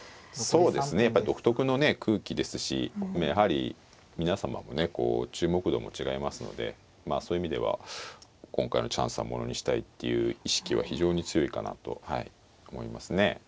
そうですねやっぱり独特のね空気ですしやはり皆様もねこう注目度も違いますのでまあそういう意味では今回のチャンスはものにしたいっていう意識は非常に強いかなと思いますね。